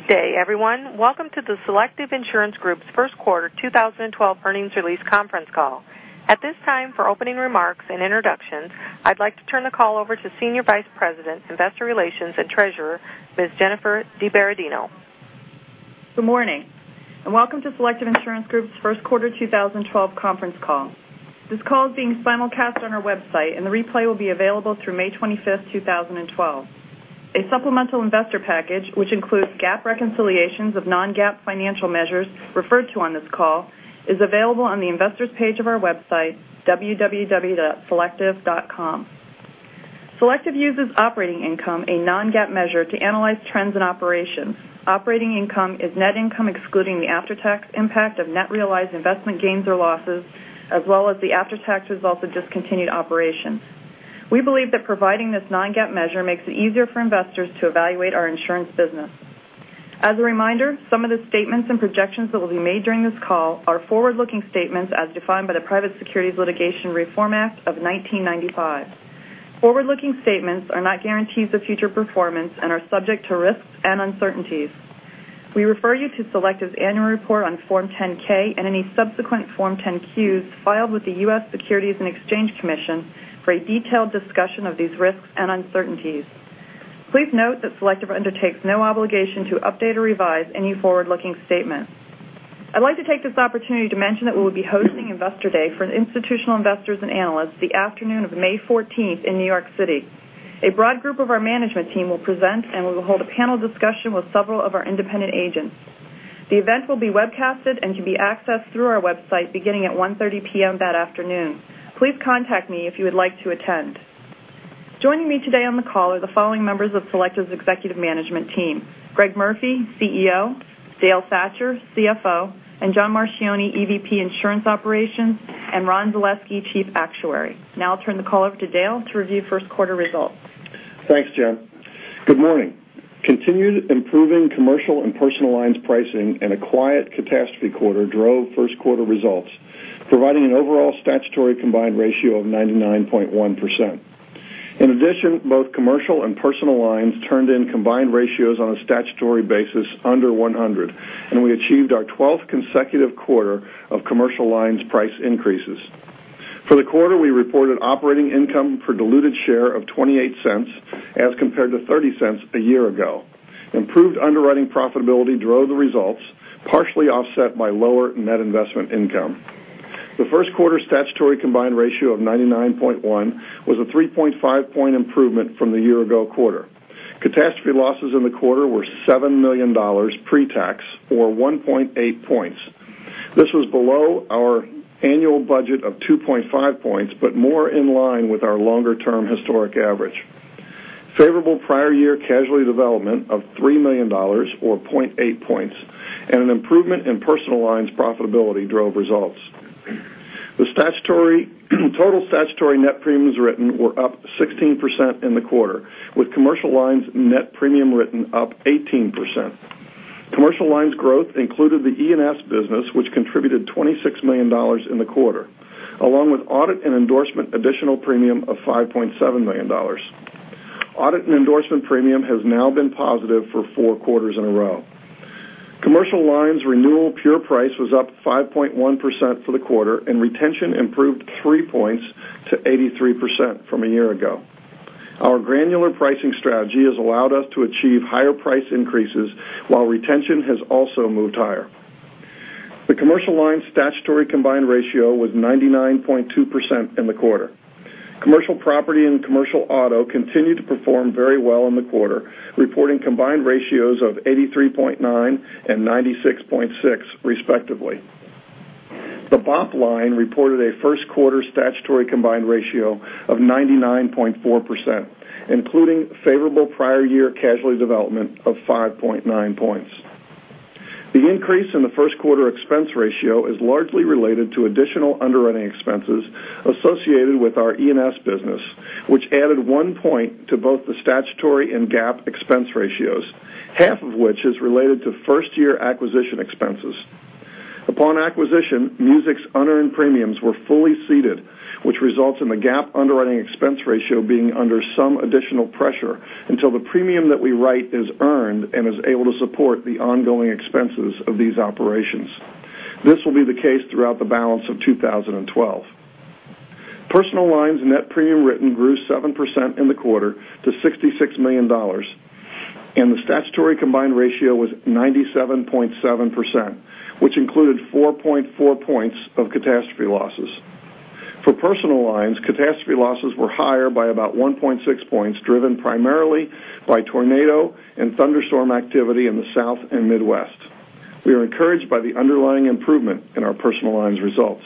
Good day, everyone. Welcome to the Selective Insurance Group's first quarter 2012 earnings release conference call. At this time, for opening remarks and introductions, I'd like to turn the call over to Senior Vice President, Investor Relations and Treasurer, Ms. Jennifer DiBerardino. Good morning. Welcome to Selective Insurance Group's first quarter 2012 conference call. This call is being simulcast on our website, and the replay will be available through May 25th, 2012. A supplemental investor package, which includes GAAP reconciliations of non-GAAP financial measures referred to on this call, is available on the investor's page of our website, www.selective.com. Selective uses operating income, a non-GAAP measure, to analyze trends and operations. Operating income is net income excluding the after-tax impact of net realized investment gains or losses, as well as the after-tax results of discontinued operations. We believe that providing this non-GAAP measure makes it easier for investors to evaluate our insurance business. As a reminder, some of the statements and projections that will be made during this call are forward-looking statements as defined by the Private Securities Litigation Reform Act of 1995. Forward-looking statements are not guarantees of future performance and are subject to risks and uncertainties. We refer you to Selective's annual report on Form 10-K and any subsequent Form 10-Qs filed with the U.S. Securities and Exchange Commission for a detailed discussion of these risks and uncertainties. Please note that Selective undertakes no obligation to update or revise any forward-looking statement. I'd like to take this opportunity to mention that we will be hosting Investor Day for institutional investors and analysts the afternoon of May 14th in New York City. A broad group of our management team will present, and we will hold a panel discussion with several of our independent agents. The event will be webcasted and can be accessed through our website beginning at 1:30 P.M. that afternoon. Please contact me if you would like to attend. Joining me today on the call are the following members of Selective's executive management team: Greg Murphy, CEO; Dale Thatcher, CFO; and John Marchioni, EVP Insurance Operations; and Ron Zaleski, Chief Actuary. I'll turn the call over to Dale to review first quarter results. Thanks, Jen. Good morning. Continued improving commercial and personal lines pricing and a quiet catastrophe quarter drove first quarter results, providing an overall statutory combined ratio of 99.1%. In addition, both commercial and personal lines turned in combined ratios on a statutory basis under 100, and we achieved our 12th consecutive quarter of commercial lines price increases. For the quarter, we reported operating income for diluted share of $0.28 as compared to $0.30 a year ago. Improved underwriting profitability drove the results, partially offset by lower net investment income. The first quarter statutory combined ratio of 99.1% was a 3.5-point improvement from the year-ago quarter. Catastrophe losses in the quarter were $7 million pre-tax, or 1.8 points. This was below our annual budget of 2.5 points, but more in line with our longer-term historic average. Favorable prior year casualty development of $3 million, or 0.8 points, and an improvement in personal lines profitability drove results. The total statutory net premiums written were up 16% in the quarter, with commercial lines net premium written up 18%. Commercial lines growth included the E&S business, which contributed $26 million in the quarter, along with audit and endorsement additional premium of $5.7 million. Audit and endorsement premium has now been positive for four quarters in a row. Commercial lines renewal pure price was up 5.1% for the quarter, and retention improved three points to 83% from a year ago. Our granular pricing strategy has allowed us to achieve higher price increases while retention has also moved higher. The commercial lines statutory combined ratio was 99.2% in the quarter. Commercial property and commercial auto continued to perform very well in the quarter, reporting combined ratios of 83.9% and 96.6% respectively. The BOP line reported a first quarter statutory combined ratio of 99.4%, including favorable prior year casualty development of 5.9 points. The increase in the first quarter expense ratio is largely related to additional underwriting expenses associated with our E&S business, which added one point to both the statutory and GAAP expense ratios, half of which is related to first-year acquisition expenses. Upon acquisition, MUSIC's unearned premiums were fully ceded, which results in the GAAP underwriting expense ratio being under some additional pressure until the premium that we write is earned and is able to support the ongoing expenses of these operations. This will be the case throughout the balance of 2012. Personal lines net premium written grew 7% in the quarter to $66 million, and the statutory combined ratio was 97.7%, which included 4.4 points of catastrophe losses. For personal lines, catastrophe losses were higher by about 1.6 points, driven primarily by tornado and thunderstorm activity in the South and Midwest. We are encouraged by the underlying improvement in our personal lines results.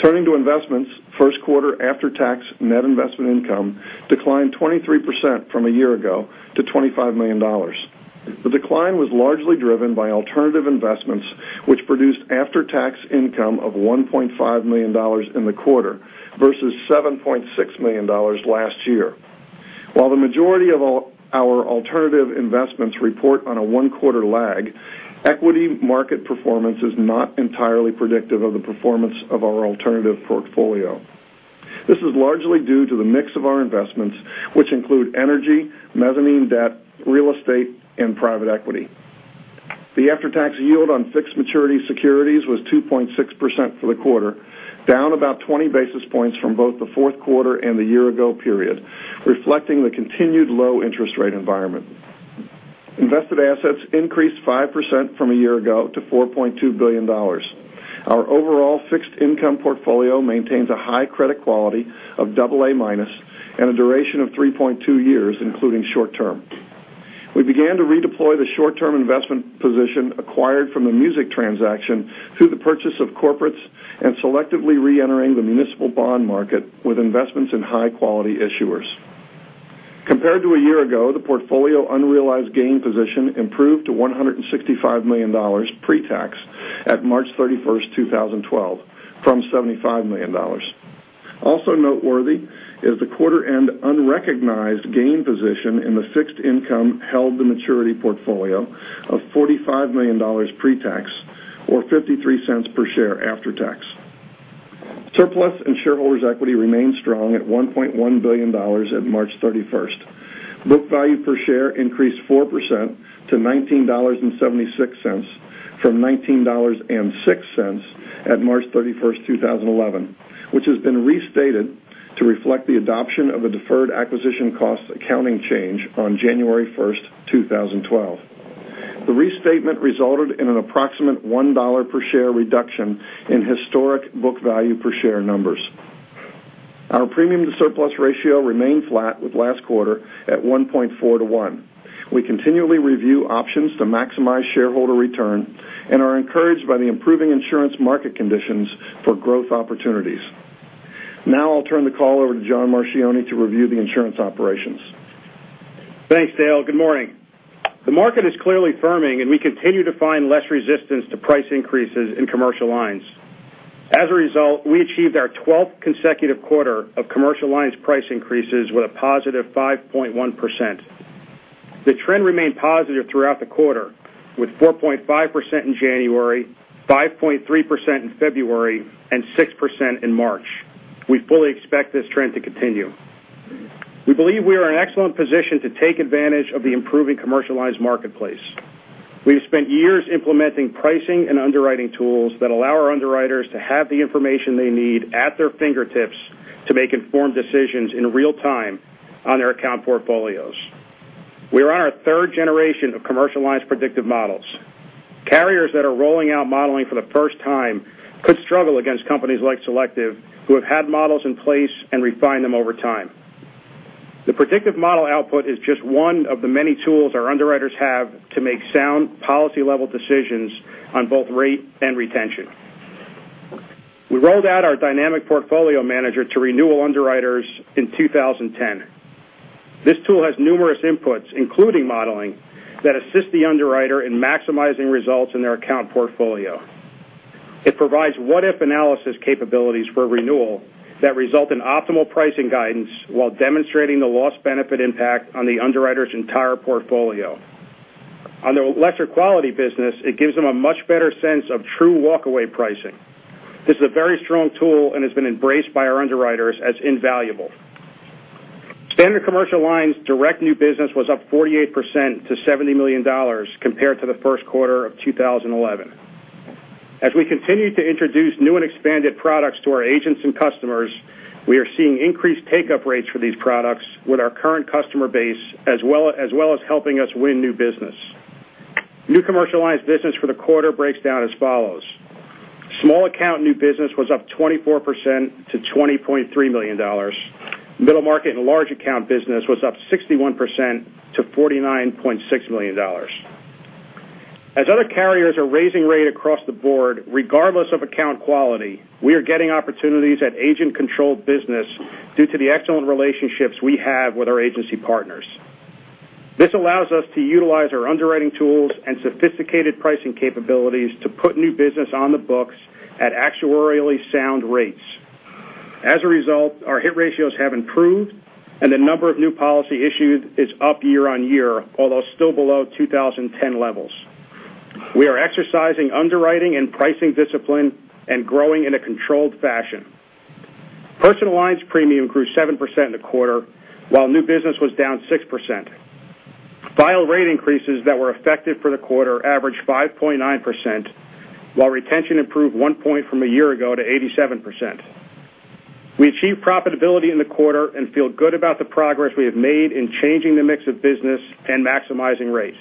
Turning to investments, first quarter after-tax net investment income declined 23% from a year ago to $25 million. The decline was largely driven by alternative investments, which produced after-tax income of $1.5 million in the quarter versus $7.6 million last year. While the majority of our alternative investments report on a one-quarter lag, equity market performance is not entirely predictive of the performance of our alternative portfolio. This is largely due to the mix of our investments, which include energy, mezzanine debt, real estate, and private equity. The after-tax yield on fixed maturity securities was 2.6% for the quarter, down about 20 basis points from both the fourth quarter and the year-ago period, reflecting the continued low interest rate environment. Invested assets increased 5% from a year ago to $4.2 billion. Our overall fixed income portfolio maintains a high credit quality of AA- and a duration of 3.2 years, including short-term. We began to redeploy the short-term investment position acquired from the MUSIC transaction through the purchase of corporates and selectively re-entering the municipal bond market with investments in high-quality issuers. Compared to a year ago, the portfolio unrealized gain position improved to $165 million pre-tax at March 31st, 2012, from $75 million. Also noteworthy is the quarter-end unrecognized gain position in the fixed income held the maturity portfolio of $45 million pre-tax, or $0.53 per share after tax. Surplus and shareholders' equity remained strong at $1.1 billion at March 31st. Book value per share increased 4% to $19.76 from $19.06 at March 31st, 2011, which has been restated to reflect the adoption of a deferred acquisition cost accounting change on January 1st, 2012. The restatement resulted in an approximate $1 per share reduction in historic book value per share numbers. Our premium-to-surplus ratio remained flat with last quarter at 1.4 to one. We continually review options to maximize shareholder return and are encouraged by the improving insurance market conditions for growth opportunities. Now I'll turn the call over to John Marchioni to review the insurance operations. Thanks, Dale. Good morning. The market is clearly firming. We continue to find less resistance to price increases in commercial lines. As a result, we achieved our 12th consecutive quarter of commercial lines price increases with a positive 5.1%. The trend remained positive throughout the quarter, with 4.5% in January, 5.3% in February, and 6% in March. We fully expect this trend to continue. We believe we are in excellent position to take advantage of the improving commercial lines marketplace. We've spent years implementing pricing and underwriting tools that allow our underwriters to have the information they need at their fingertips to make informed decisions in real time on their account portfolios. We are on our third generation of commercial lines predictive models. Carriers that are rolling out modeling for the first time could struggle against companies like Selective, who have had models in place and refined them over time. The predictive model output is just one of the many tools our underwriters have to make sound policy-level decisions on both rate and retention. We rolled out our Dynamic Portfolio Manager to renewal underwriters in 2010. This tool has numerous inputs, including modeling, that assist the underwriter in maximizing results in their account portfolio. It provides what-if analysis capabilities for renewal that result in optimal pricing guidance while demonstrating the loss benefit impact on the underwriter's entire portfolio. On their lesser quality business, it gives them a much better sense of true walk-away pricing. This is a very strong tool and has been embraced by our underwriters as invaluable. Standard Commercial Lines' direct new business was up 48% to $70 million compared to the first quarter of 2011. As we continue to introduce new and expanded products to our agents and customers, we are seeing increased take-up rates for these products with our current customer base as well as helping us win new business. New commercial lines business for the quarter breaks down as follows: small account new business was up 24% to $20.3 million. Middle market and large account business was up 61% to $49.6 million. As other carriers are raising rate across the board, regardless of account quality, we are getting opportunities at agent-controlled business due to the excellent relationships we have with our agency partners. This allows us to utilize our underwriting tools and sophisticated pricing capabilities to put new business on the books at actuarially sound rates. A result, our hit ratios have improved, and the number of new policy issued is up year-on-year, although still below 2010 levels. We are exercising underwriting and pricing discipline and growing in a controlled fashion. Personal lines premium grew 7% in the quarter, while new business was down 6%. File rate increases that were effective for the quarter averaged 5.9%, while retention improved one point from a year ago to 87%. We achieved profitability in the quarter and feel good about the progress we have made in changing the mix of business and maximizing rates.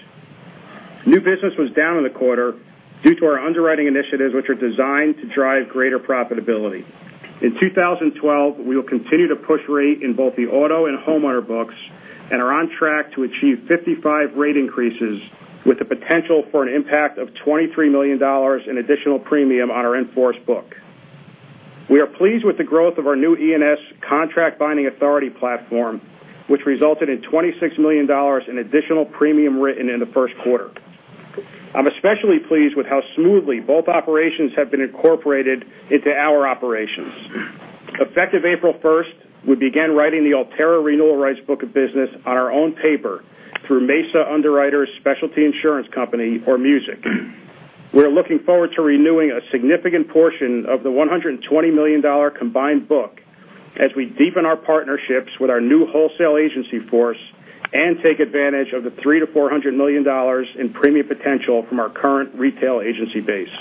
New business was down in the quarter due to our underwriting initiatives, which are designed to drive greater profitability. In 2012, we will continue to push rate in both the auto and homeowner books and are on track to achieve 55 rate increases with the potential for an impact of $23 million in additional premium on our in-force book. We are pleased with the growth of our new E&S contract binding authority platform, which resulted in $26 million in additional premium written in the first quarter. I'm especially pleased with how smoothly both operations have been incorporated into our operations. Effective April 1st, we began writing the Alterra renewal rights book of business on our own paper through Mesa Underwriters Specialty Insurance Company, or MUSIC. We're looking forward to renewing a significant portion of the $120 million combined book as we deepen our partnerships with our new wholesale agency force and take advantage of the $300 million to $400 million in premium potential from our current retail agency base.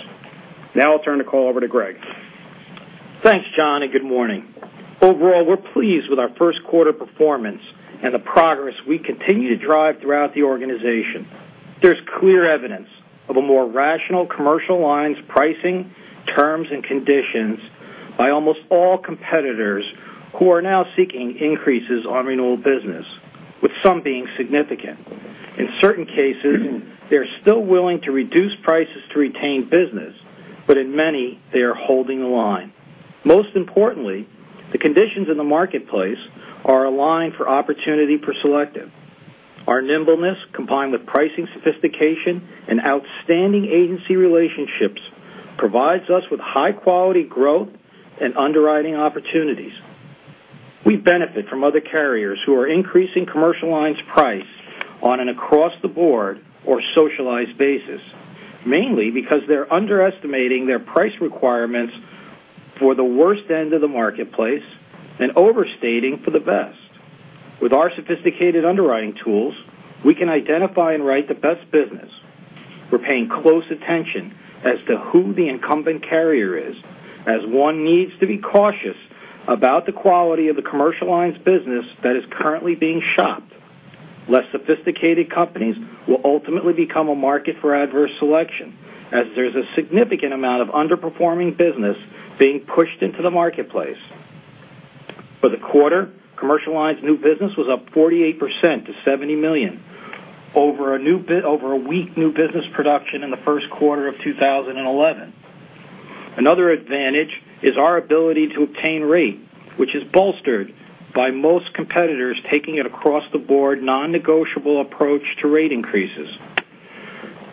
I'll turn the call over to Greg. Thanks, John, good morning. Overall, we're pleased with our first quarter performance and the progress we continue to drive throughout the organization. There's clear evidence of a more rational Commercial Lines pricing, terms, and conditions by almost all competitors who are now seeking increases on renewal business, with some being significant. In certain cases, they're still willing to reduce prices to retain business, but in many, they are holding the line. Most importantly, the conditions in the marketplace are aligned for opportunity for Selective. Our nimbleness, combined with pricing sophistication and outstanding agency relationships, provides us with high-quality growth and underwriting opportunities. We benefit from other carriers who are increasing Commercial Lines price on an across-the-board or socialized basis, mainly because they're underestimating their price requirements for the worst end of the marketplace and overstating for the best. With our sophisticated underwriting tools, we can identify and write the best business. We're paying close attention as to who the incumbent carrier is, as one needs to be cautious about the quality of the Commercial Lines business that is currently being shopped. Less sophisticated companies will ultimately become a market for adverse selection, as there's a significant amount of underperforming business being pushed into the marketplace. For the quarter, Commercial Lines new business was up 48% to $70 million over a weak new business production in the first quarter of 2011. Another advantage is our ability to obtain rate, which is bolstered by most competitors taking an across-the-board, non-negotiable approach to rate increases.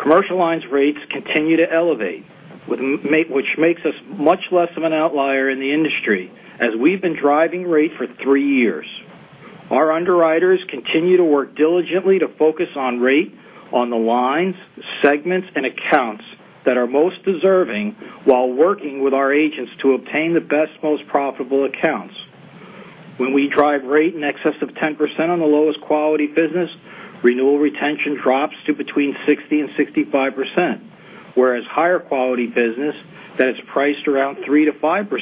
Commercial Lines rates continue to elevate, which makes us much less of an outlier in the industry, as we've been driving rate for three years. Our underwriters continue to work diligently to focus on rate on the lines, segments, and accounts that are most deserving while working with our agents to obtain the best, most profitable accounts. When we drive rate in excess of 10% on the lowest quality business, renewal retention drops to between 60%-65%, whereas higher quality business that is priced around 3%-5%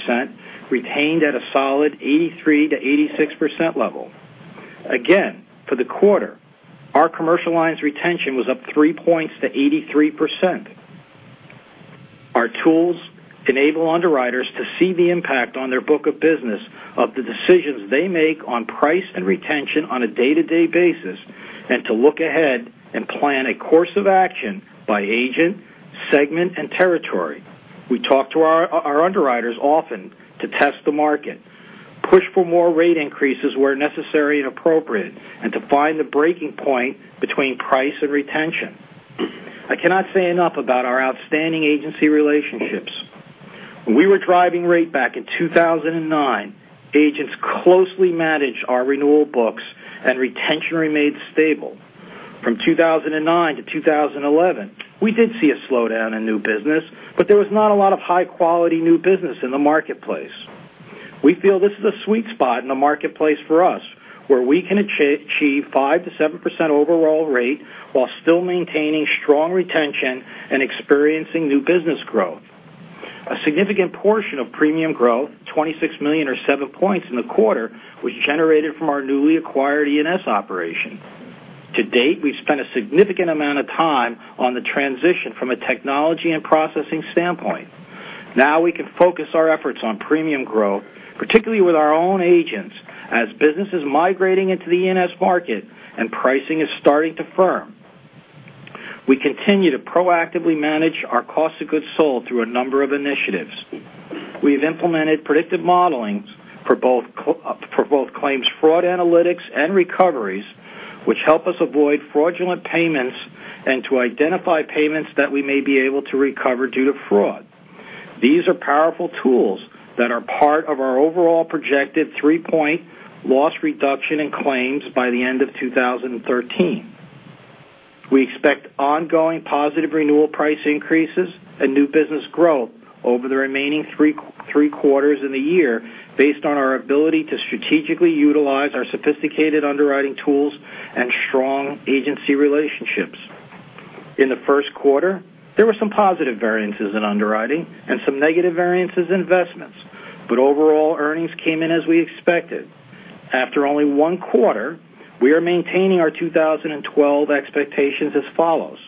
retained at a solid 83%-86% level. Again, for the quarter, our Commercial Lines retention was up three points to 83%. Our tools enable underwriters to see the impact on their book of business of the decisions they make on price and retention on a day-to-day basis and to look ahead and plan a course of action by agent, segment, and territory. We talk to our underwriters often to test the market, push for more rate increases where necessary and appropriate, and to find the breaking point between price and retention. I cannot say enough about our outstanding agency relationships. When we were driving rate back in 2009, agents closely managed our renewal books and retention remained stable. From 2009 to 2011, we did see a slowdown in new business, but there was not a lot of high-quality new business in the marketplace. We feel this is a sweet spot in the marketplace for us, where we can achieve 5%-7% overall rate while still maintaining strong retention and experiencing new business growth. A significant portion of premium growth, $26 million or seven points in the quarter, was generated from our newly acquired E&S operation. To date, we've spent a significant amount of time on the transition from a technology and processing standpoint. Now we can focus our efforts on premium growth, particularly with our own agents, as business is migrating into the E&S market and pricing is starting to firm. We continue to proactively manage our cost of goods sold through a number of initiatives. We have implemented predictive models for both claims fraud analytics and recoveries, which help us avoid fraudulent payments and to identify payments that we may be able to recover due to fraud. These are powerful tools that are part of our overall projected three-point loss reduction in claims by the end of 2013. We expect ongoing positive renewal price increases and new business growth over the remaining three quarters in the year based on our ability to strategically utilize our sophisticated underwriting tools and strong agency relationships. In the first quarter, there were some positive variances in underwriting and some negative variances in investments, but overall earnings came in as we expected. After only one quarter, we are maintaining our 2012 expectations as follows: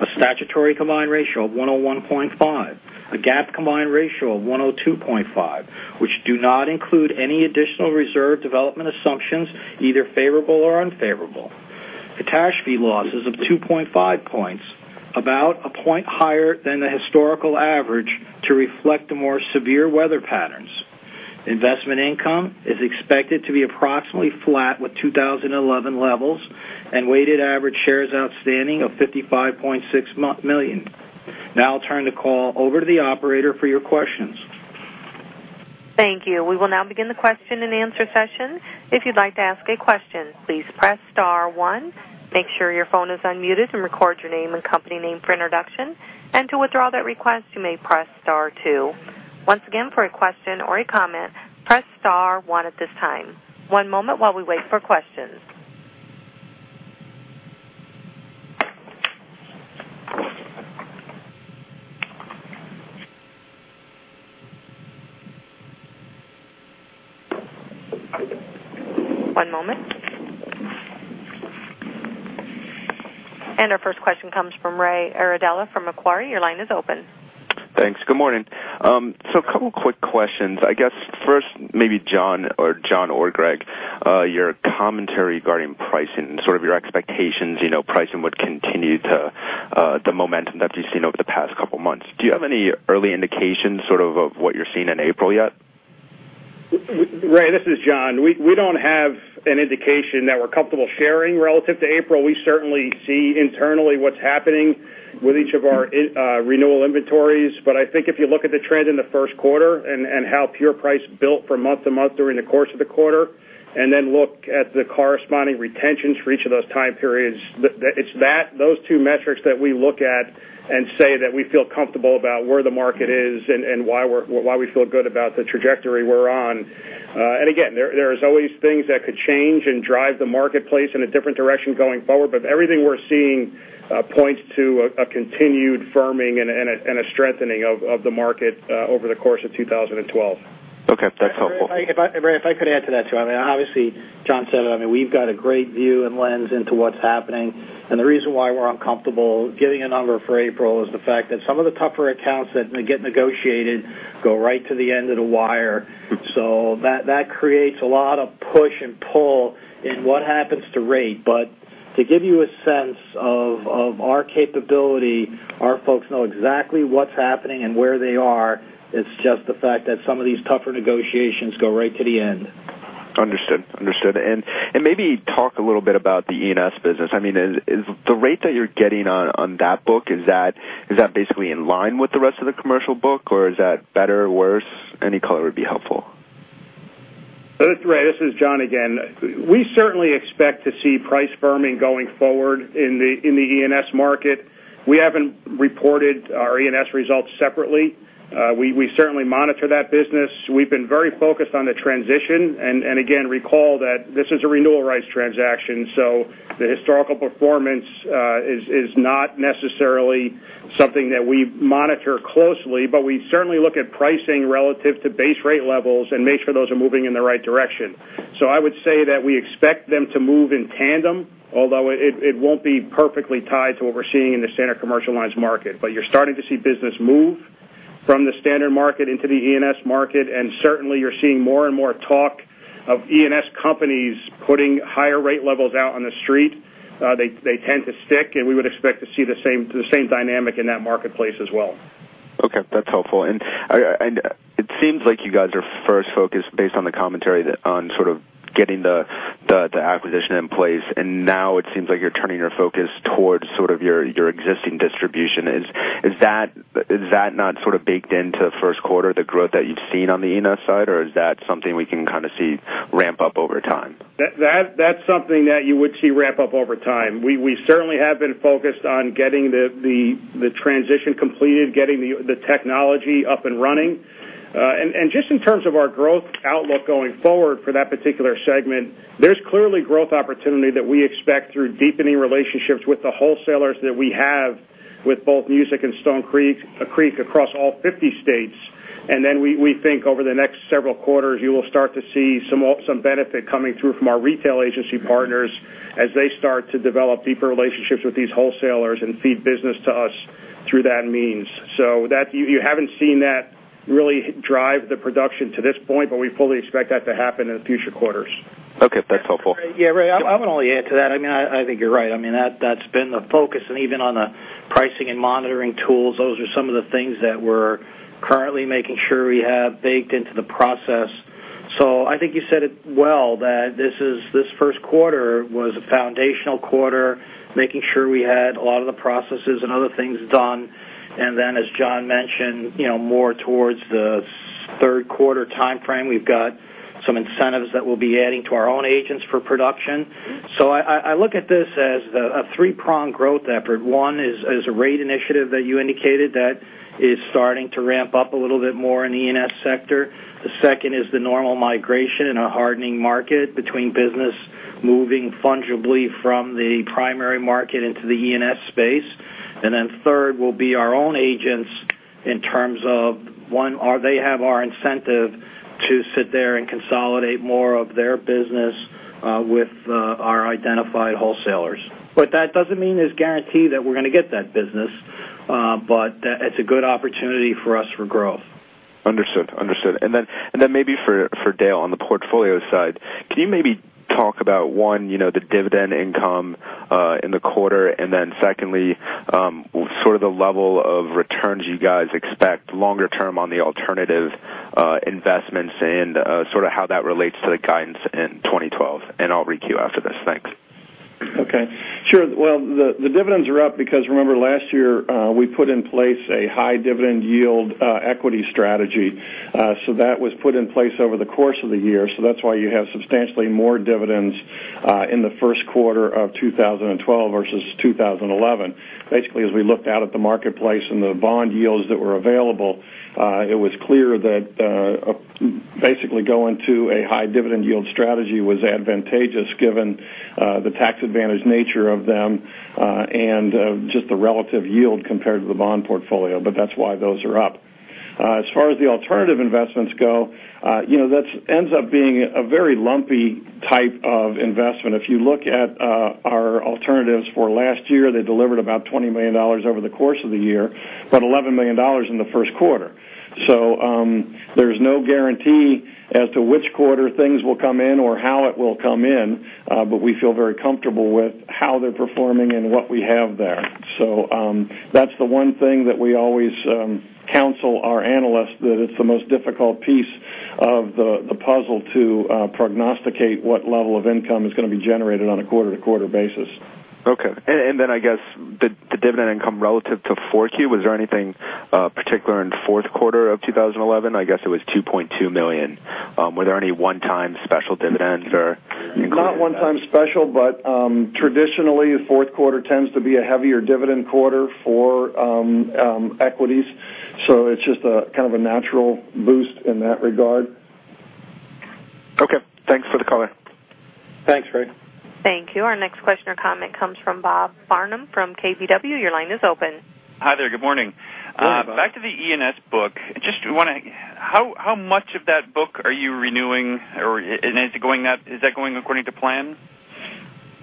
A statutory combined ratio of 101.5, a GAAP combined ratio of 102.5, which do not include any additional reserve development assumptions, either favorable or unfavorable. Catastrophe losses of 2.5 points, about a point higher than the historical average to reflect the more severe weather patterns. Investment income is expected to be approximately flat with 2011 levels and weighted average shares outstanding of 55.6 million. Now I'll turn the call over to the operator for your questions. Thank you. We will now begin the question and answer session. If you'd like to ask a question, please press star one, make sure your phone is unmuted, and record your name and company name for introduction. To withdraw that request, you may press star two. Once again, for a question or a comment, press star one at this time. One moment while we wait for questions. One moment. Our first question comes from Ray Iardella from Macquarie. Your line is open. Thanks. Good morning. A couple of quick questions. I guess first, maybe John or Greg, your commentary regarding pricing, sort of your expectations, pricing would continue the momentum that you've seen over the past couple of months. Do you have any early indications sort of what you're seeing in April yet? Ray, this is John Marchioni. We don't have an indication that we're comfortable sharing relative to April. We certainly see internally what's happening with each of our renewal inventories. I think if you look at the trend in the first quarter and how pure price built from month to month during the course of the quarter, then look at the corresponding retentions for each of those time periods, it's those two metrics that we look at and say that we feel comfortable about where the market is and why we feel good about the trajectory we're on. Again, there is always things that could change and drive the marketplace in a different direction going forward, but everything we're seeing points to a continued firming and a strengthening of the market over the course of 2012. Okay. That's helpful. Ray, if I could add to that, too. I mean, obviously, John Marchioni said it. I mean, we've got a great view and lens into what's happening. The reason why we're uncomfortable giving a number for April is the fact that some of the tougher accounts that get negotiated go right to the end of the wire. That creates a lot of push and pull in what happens to rate. To give you a sense of our capability, our folks know exactly what's happening and where they are. It's just the fact that some of these tougher negotiations go right to the end. Understood. Maybe talk a little bit about the E&S business. I mean, is the rate that you're getting on that book, is that basically in line with the rest of the commercial book, or is that better or worse? Any color would be helpful. Ray, this is John again. We certainly expect to see price firming going forward in the E&S market. We haven't reported our E&S results separately. We certainly monitor that business. We've been very focused on the transition, recall that this is a renewal rights transaction, so the historical performance is not necessarily something that we monitor closely, but we certainly look at pricing relative to base rate levels and make sure those are moving in the right direction. I would say that we expect them to move in tandem, although it won't be perfectly tied to what we're seeing in the Standard Commercial Lines market. You're starting to see business move from the standard market into the E&S market, and certainly, you're seeing more and more talk of E&S companies putting higher rate levels out on the street. They tend to stick, and we would expect to see the same dynamic in that marketplace as well. Okay. That's helpful. It seems like you guys are first focused based on the commentary on getting the acquisition in place, and now it seems like you're turning your focus towards your existing distribution. Is that not baked into the first quarter, the growth that you've seen on the E&S side, or is that something we can see ramp up over time? That's something that you would see ramp up over time. We certainly have been focused on getting the transition completed, getting the technology up and running. Just in terms of our growth outlook going forward for that particular segment, there's clearly growth opportunity that we expect through deepening relationships with the wholesalers that we have with both MUSIC and Stone Creek across all 50 states. We think over the next several quarters, you will start to see some benefit coming through from our retail agency partners as they start to develop deeper relationships with these wholesalers and feed business to us through that means. You haven't seen that really drive the production to this point, but we fully expect that to happen in future quarters. Okay. That's helpful. Yeah, Ray, I'm going to only add to that. I mean, I think you're right. I mean, that's been the focus. Even on the pricing and monitoring tools, those are some of the things that we're currently making sure we have baked into the process. I think you said it well, that this first quarter was a foundational quarter, making sure we had a lot of the processes and other things done. As John mentioned, more towards the third quarter timeframe, we've got some incentives that we'll be adding to our own agents for production. I look at this as a three-pronged growth effort. One is a rate initiative that you indicated that is starting to ramp up a little bit more in the E&S sector. The second is the normal migration in a hardening market between business moving fungibly from the primary market into the E&S space. Third will be our own agents in terms of, one, they have our incentive to sit there and consolidate more of their business with our identified wholesalers. That doesn't mean there's guarantee that we're going to get that business, but it's a good opportunity for us for growth. Understood. Maybe for Dale on the portfolio side, can you maybe talk about, one, the dividend income in the quarter, and then secondly, sort of the level of returns you guys expect longer term on the alternative investments and sort of how that relates to the guidance in 2012? I'll re-queue after this. Thanks. Okay. Sure. The dividends are up because remember last year, we put in place a high dividend yield equity strategy. That was put in place over the course of the year. That's why you have substantially more dividends in the first quarter of 2012 versus 2011. As we looked out at the marketplace and the bond yields that were available, it was clear that going to a high dividend yield strategy was advantageous given the tax advantage nature of them, and just the relative yield compared to the bond portfolio. That's why those are up. As far as the alternative investments go, that ends up being a very lumpy type of investment. If you look at our alternatives for last year, they delivered about $20 million over the course of the year, but $11 million in the first quarter. There's no guarantee as to which quarter things will come in or how it will come in, we feel very comfortable with how they're performing and what we have there. That's the one thing that we always counsel our analysts, that it's the most difficult piece of the puzzle to prognosticate what level of income is going to be generated on a quarter-to-quarter basis. Okay. I guess the dividend income relative to 4Q, was there anything particular in the fourth quarter of 2011? I guess it was $2.2 million. Were there any one-time special dividends or Not one-time special, traditionally, fourth quarter tends to be a heavier dividend quarter for equities. It's just kind of a natural boost in that regard. Okay. Thanks for the color. Thanks, Ray. Thank you. Our next question or comment comes from Bob Barnum from KBW. Your line is open. Hi there. Good morning. Good morning, Bob. Back to the E&S book. How much of that book are you renewing, and is that going according to plan?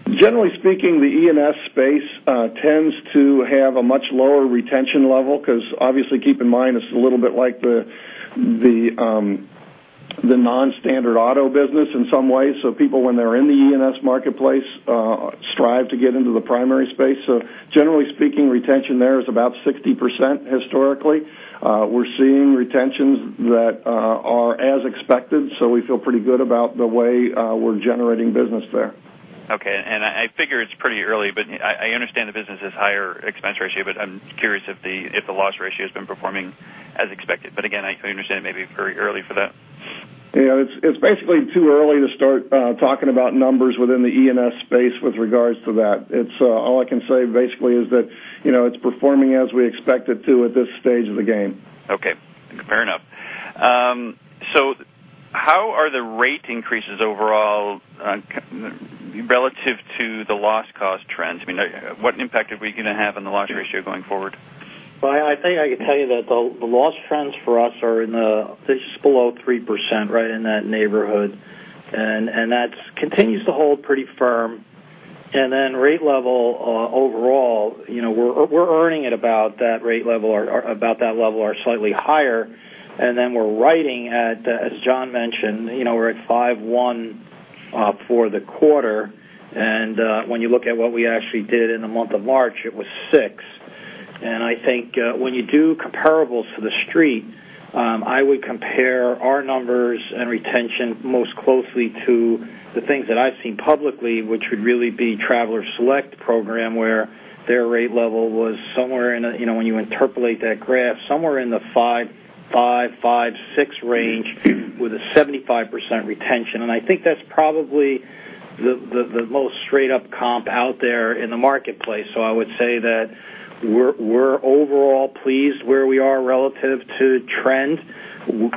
Generally speaking, the E&S space tends to have a much lower retention level because obviously keep in mind, it's a little bit like the non-standard auto business in some ways. People, when they're in the E&S marketplace, strive to get into the primary space. Generally speaking, retention there is about 60% historically. We're seeing retentions that are as expected, so we feel pretty good about the way we're generating business there. Okay. I figure it's pretty early, but I understand the business is higher expense ratio, but I'm curious if the loss ratio has been performing as expected. Again, I understand it may be very early for that. Yeah. It's basically too early to start talking about numbers within the E&S space with regards to that. All I can say basically is that it's performing as we expect it to at this stage of the game. Okay. Fair enough. How are the rate increases overall relative to the loss cost trends? What impact are we going to have on the loss ratio going forward? Well, I think I can tell you that the loss trends for us are in the, they're just below 3%, right in that neighborhood. That continues to hold pretty firm. Rate level overall, we're earning at about that rate level or slightly higher. We're writing at, as John mentioned, we're at 51 for the quarter. When you look at what we actually did in the month of March, it was six. I think when you do comparables for the Street, I would compare our numbers and retention most closely to the things that I've seen publicly, which would really be Travelers Select program, where their rate level was somewhere in a, when you interpolate that graph, somewhere in the 55%-56% range with a 75% retention. I think that's probably the most straight up comp out there in the marketplace. I would say that we're overall pleased where we are relative to trend.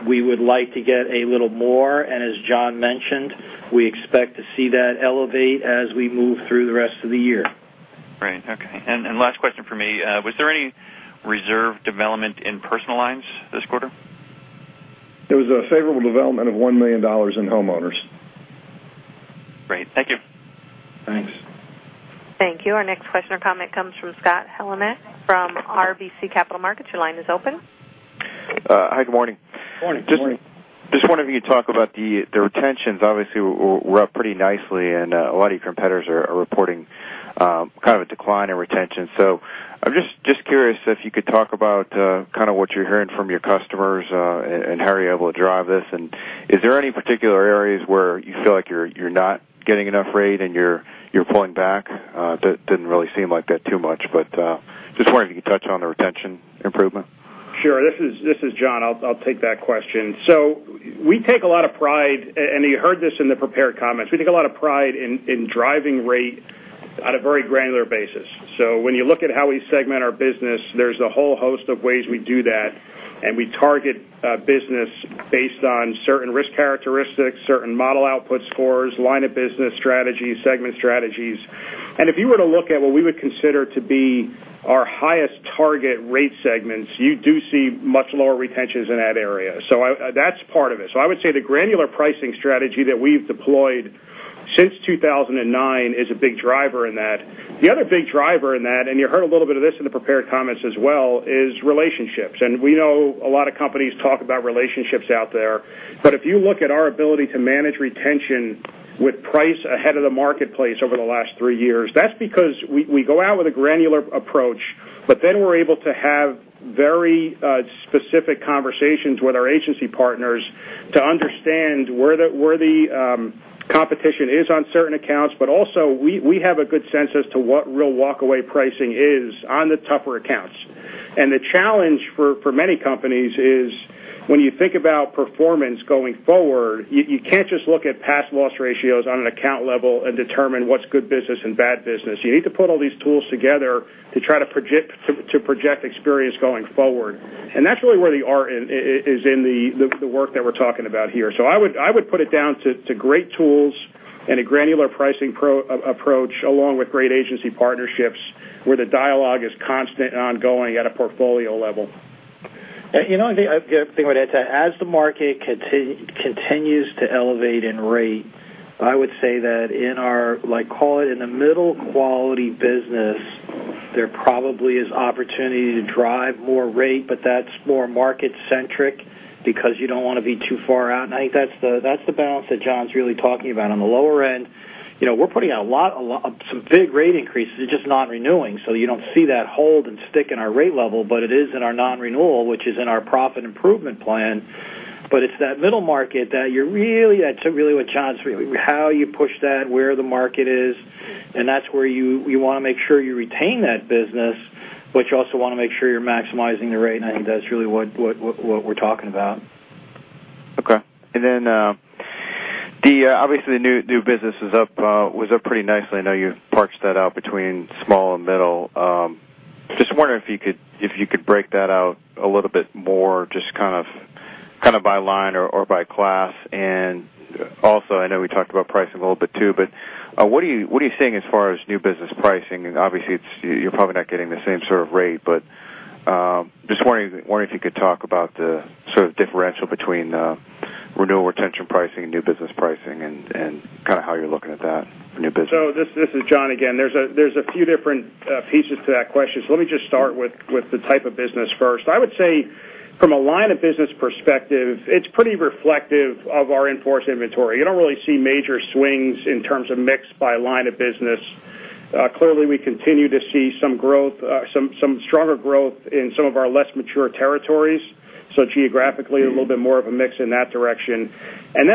We would like to get a little more, as John mentioned, we expect to see that elevate as we move through the rest of the year. Right. Okay. Last question from me, was there any reserve development in personal lines this quarter? There was a favorable development of $1 million in homeowners. Great. Thank you. Thanks. Thank you. Our next question or comment comes from Scott Heleniak from RBC Capital Markets. Your line is open. Hi, good morning. Morning. Morning. Just wondering if you could talk about the retentions, obviously, were up pretty nicely, and a lot of your competitors are reporting kind of a decline in retention. I'm just curious if you could talk about what you're hearing from your customers, and how are you able to drive this. Is there any particular areas where you feel like you're not getting enough rate and you're pulling back? Didn't really seem like that too much, but just wondering if you could touch on the retention improvement. Sure. This is John. I'll take that question. We take a lot of pride, and you heard this in the prepared comments, we take a lot of pride in driving rate on a very granular basis. When you look at how we segment our business, there's a whole host of ways we do that, and we target business based on certain risk characteristics, certain model output scores, line of business strategies, segment strategies. If you were to look at what we would consider to be our highest target rate segments, you do see much lower retentions in that area. That's part of it. I would say the granular pricing strategy that we've deployed since 2009 is a big driver in that. The other big driver in that, and you heard a little bit of this in the prepared comments as well, is relationships. We know a lot of companies talk about relationships out there. If you look at our ability to manage retention with price ahead of the marketplace over the last three years, that's because we go out with a granular approach, then we're able to have very specific conversations with our agency partners to understand where the competition is on certain accounts, also we have a good sense as to what real walkaway pricing is on the tougher accounts. The challenge for many companies is when you think about performance going forward, you can't just look at past loss ratios on an account level and determine what's good business and bad business. You need to put all these tools together to try to project experience going forward. That's really where the art is in the work that we're talking about here. I would put it down to great tools and a granular pricing approach along with great agency partnerships where the dialogue is constant and ongoing at a portfolio level. I think I would add to that, as the market continues to elevate in rate, I would say that in our, call it in the middle quality business, there probably is opportunity to drive more rate, but that's more market centric because you don't want to be too far out. I think that's the balance that John's really talking about. On the lower end, we're putting some big rate increases, just not renewing. You don't see that hold and stick in our rate level, but it is in our non-renewal, which is in our profit improvement plan. It's that middle market that you're really, that's really what John's saying, how you push that, where the market is, and that's where you want to make sure you retain that business, but you also want to make sure you're maximizing the rate. I think that's really what we're talking about. Okay. Then, obviously, new business was up pretty nicely. I know you've parked that out between small and middle. Just wondering if you could break that out a little bit more, just by line or by class. Also, I know we talked about pricing a little bit too, but what are you seeing as far as new business pricing? Obviously you're probably not getting the same sort of rate, but just wondering if you could talk about the sort of differential between renewal retention pricing and new business pricing, and how you're looking at that for new business. This is John again. There's a few different pieces to that question. Let me just start with the type of business first. I would say from a line of business perspective, it's pretty reflective of our in-force inventory. You don't really see major swings in terms of mix by line of business. Clearly, we continue to see some stronger growth in some of our less mature territories. Geographically, a little bit more of a mix in that direction.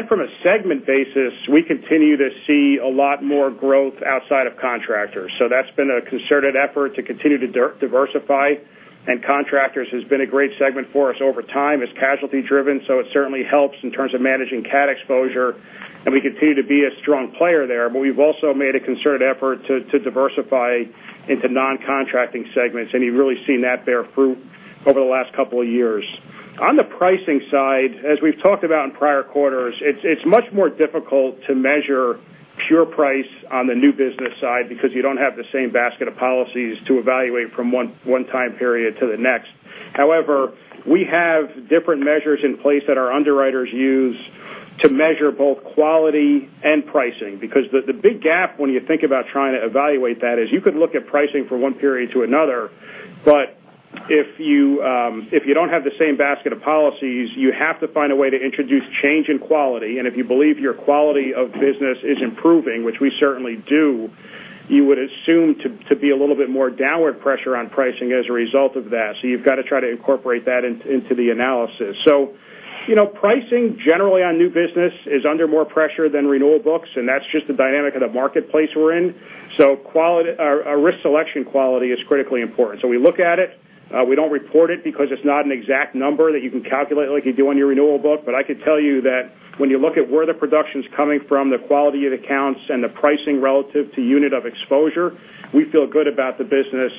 From a segment basis, we continue to see a lot more growth outside of contractors. That's been a concerted effort to continue to diversify, and contractors has been a great segment for us over time. It's casualty driven, so it certainly helps in terms of managing cat exposure, and we continue to be a strong player there. We've also made a concerted effort to diversify into non-contracting segments, and you've really seen that bear fruit over the last couple of years. On the pricing side, as we've talked about in prior quarters, it's much more difficult to measure pure price on the new business side because you don't have the same basket of policies to evaluate from one time period to the next. However, we have different measures in place that our underwriters use to measure both quality and pricing. The big gap when you think about trying to evaluate that is you could look at pricing from one period to another, but if you don't have the same basket of policies, you have to find a way to introduce change in quality. If you believe your quality of business is improving, which we certainly do, you would assume to be a little bit more downward pressure on pricing as a result of that. You've got to try to incorporate that into the analysis. Pricing generally on new business is under more pressure than renewal books, and that's just the dynamic of the marketplace we're in. Our risk selection quality is critically important. We look at it. We don't report it because it's not an exact number that you can calculate like you do on your renewal book. I could tell you that when you look at where the production's coming from, the quality of the accounts, and the pricing relative to unit of exposure, we feel good about the business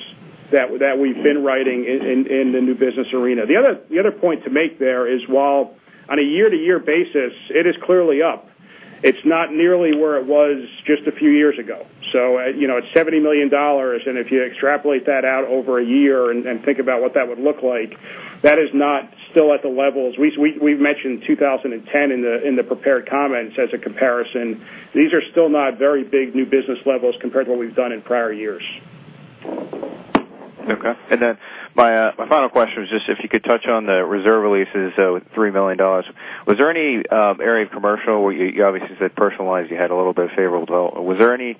that we've been writing in the new business arena. The other point to make there is while on a year-to-year basis it is clearly up, it's not nearly where it was just a few years ago. It's $70 million, and if you extrapolate that out over a year and think about what that would look like, that is not still at the levels. We've mentioned 2010 in the prepared comments as a comparison. These are still not very big new business levels compared to what we've done in prior years. Okay. Then my final question was just if you could touch on the reserve releases, so $3 million. Was there any area of commercial where you obviously said personal lines you had a little bit of favorable development. Was there any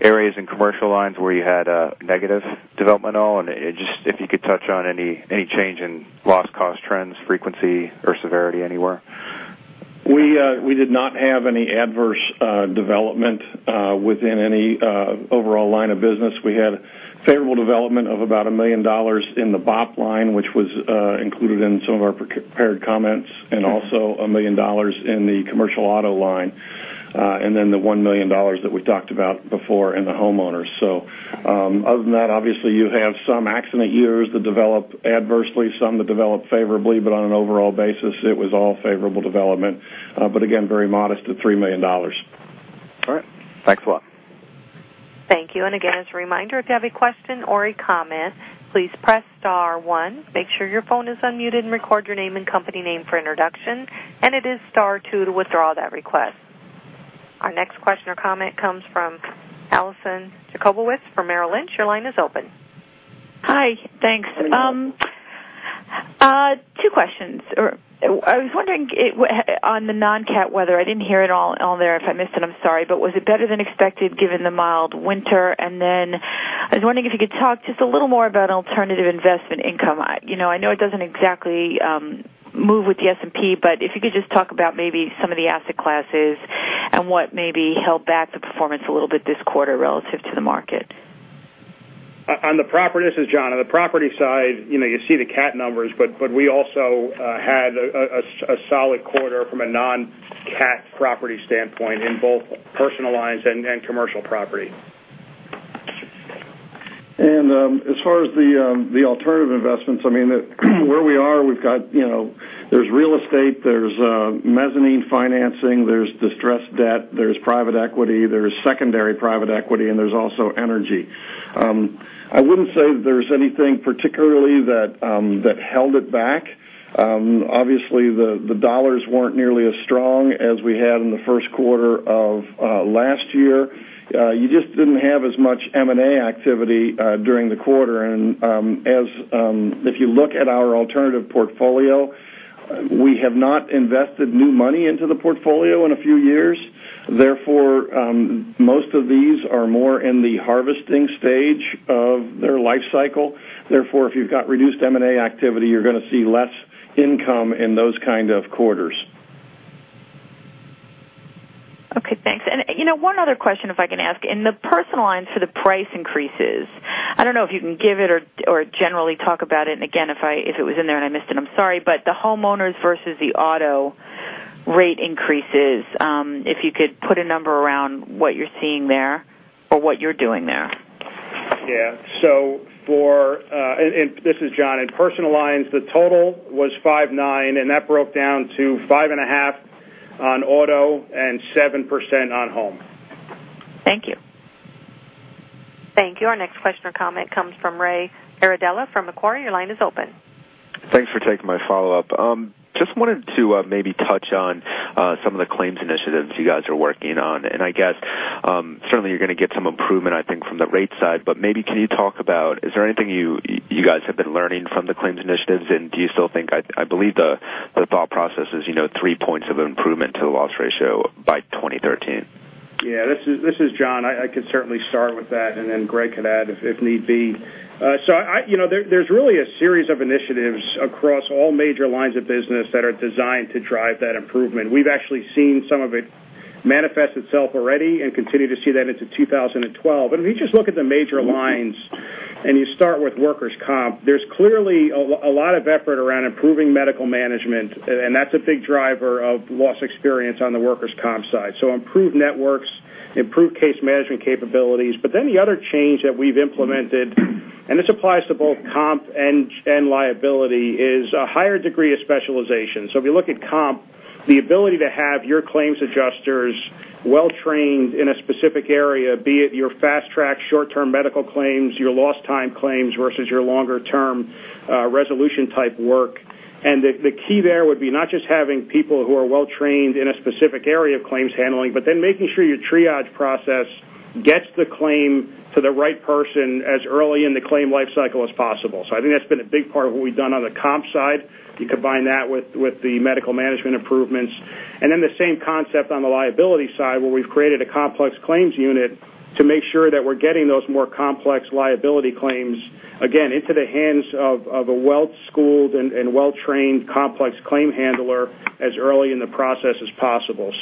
areas in commercial lines where you had a negative development on? Just if you could touch on any change in loss cost trends, frequency or severity anywhere. We did not have any adverse development within any overall line of business. We had favorable development of about $1 million in the BOP line, which was included in some of our prepared comments, also $1 million in the commercial auto line, then the $1 million that we talked about before in the homeowners. Other than that, obviously, you have some accident years that develop adversely, some that develop favorably, but on an overall basis, it was all favorable development. Again, very modest at $3 million. All right. Thanks a lot. Thank you. Again, as a reminder, if you have a question or a comment, please press star one, make sure your phone is unmuted, and record your name and company name for introduction. It is star two to withdraw that request. Our next question or comment comes from Alison Jacobowitz from Merrill Lynch. Your line is open. Hi. Thanks. Two questions. I was wondering on the non-cat weather, I didn't hear it all there. If I missed it, I'm sorry. Was it better than expected given the mild winter? I was wondering if you could talk just a little more about alternative investment income. I know it doesn't exactly move with the S&P. If you could just talk about maybe some of the asset classes. What maybe held back the performance a little bit this quarter relative to the market? This is John. On the property side, you see the cat numbers. We also had a solid quarter from a non-cat property standpoint in both personal lines and commercial property. As far as the alternative investments, where we are, there's real estate, there's mezzanine financing, there's distressed debt, there's private equity, there's secondary private equity, and there's also energy. I wouldn't say that there's anything particularly that held it back. Obviously, the dollars weren't nearly as strong as we had in the first quarter of last year. You just didn't have as much M&A activity during the quarter. If you look at our alternative portfolio, we have not invested new money into the portfolio in a few years. Therefore, most of these are more in the harvesting stage of their life cycle. Therefore, if you've got reduced M&A activity, you're going to see less income in those kind of quarters. Okay, thanks. One other question, if I can ask. In the personal lines for the price increases, I don't know if you can give it or generally talk about it. If it was in there and I missed it, I'm sorry. The homeowners versus the auto rate increases, if you could put a number around what you're seeing there or what you're doing there. This is John. In personal lines, the total was 5.9%, that broke down to 5.5% on auto and 7% on home. Thank you. Thank you. Our next question or comment comes from Ray Iardella from Macquarie. Your line is open. Thanks for taking my follow-up. Just wanted to maybe touch on some of the claims initiatives you guys are working on. I guess certainly you're going to get some improvement, I think, from the rate side, but maybe can you talk about, is there anything you guys have been learning from the claims initiatives? Do you still think, I believe the thought process is three points of improvement to the loss ratio by 2013. This is John. I could certainly start with that, Greg could add if need be. There's really a series of initiatives across all major lines of business that are designed to drive that improvement. We've actually seen some of it manifest itself already and continue to see that into 2012. If you just look at the major lines, you start with workers' compensation, there's clearly a lot of effort around improving medical management, and that's a big driver of loss experience on the workers' compensation side. Improved networks, improved case management capabilities. The other change that we've implemented, and this applies to both comp and liability, is a higher degree of specialization. If you look at comp, the ability to have your claims adjusters well-trained in a specific area, be it your fast track, short-term medical claims, your lost time claims versus your longer-term resolution type work. The key there would be not just having people who are well-trained in a specific area of claims handling, but then making sure your triage process gets the claim to the right person as early in the claim life cycle as possible. I think that's been a big part of what we've done on the comp side. You combine that with the medical management improvements. The same concept on the liability side, where we've created a complex claims unit to make sure that we're getting those more complex liability claims, again, into the hands of a well-schooled and well-trained complex claim handler as early in the process as possible.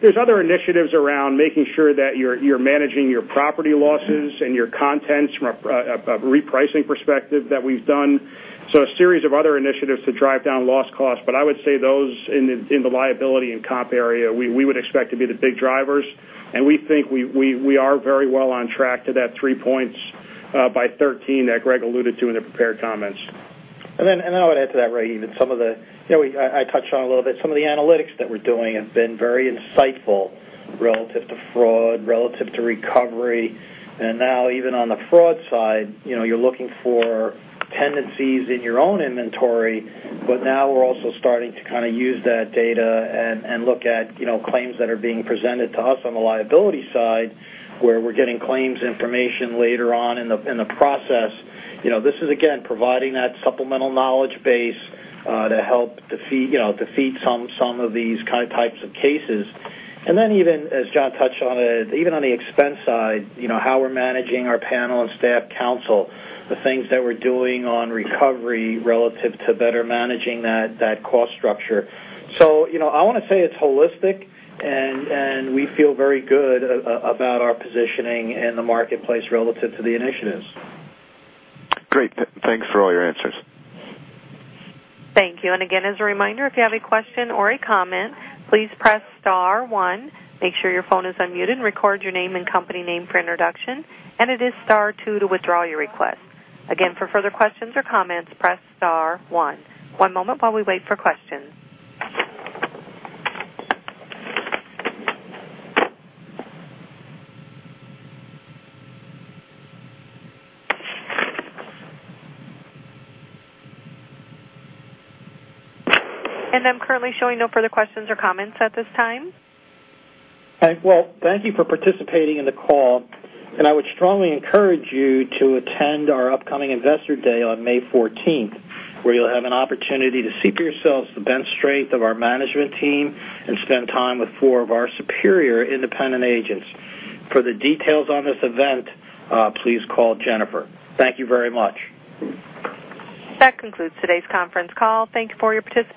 There's other initiatives around making sure that you're managing your property losses and your contents from a repricing perspective that we've done. A series of other initiatives to drive down loss cost. I would say those in the liability and comp area, we would expect to be the big drivers. We think we are very well on track to that three points by 2013 that Greg alluded to in the prepared comments. I would add to that, Ray, I touched on a little bit, some of the analytics that we're doing have been very insightful relative to fraud, relative to recovery. Now even on the fraud side, you're looking for tendencies in your own inventory. Now we're also starting to kind of use that data and look at claims that are being presented to us on the liability side, where we're getting claims information later on in the process. This is, again, providing that supplemental knowledge base to help defeat some of these types of cases. Even as John touched on it, even on the expense side, how we're managing our panel and staff counsel, the things that we're doing on recovery relative to better managing that cost structure. I want to say it's holistic, and we feel very good about our positioning in the marketplace relative to the initiatives. Great. Thanks for all your answers. Thank you. Again, as a reminder, if you have a question or a comment, please press star one, make sure your phone is unmuted, and record your name and company name for introduction, and it is star two to withdraw your request. Again, for further questions or comments, press star one. One moment while we wait for questions. I'm currently showing no further questions or comments at this time. Thank you for participating in the call, and I would strongly encourage you to attend our upcoming Investor Day on May 14th, where you'll have an opportunity to see for yourselves the bench strength of our management team and spend time with four of our superior independent agents. For the details on this event, please call Jennifer. Thank you very much. That concludes today's conference call. Thank you for your participation.